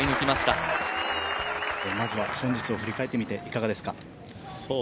まずは本日を振り返って見て、いかがですか。